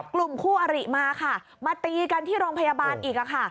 กลุ่มคู่อริมาค่ะมาตีกันที่โรงพยาบาลอีก